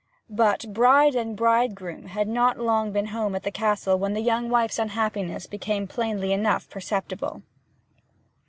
But bride and bridegroom had not long been home at the castle when the young wife's unhappiness became plainly enough perceptible.